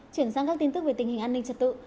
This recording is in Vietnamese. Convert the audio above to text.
chuyển sang các tin tức về tình hình an ninh trật tự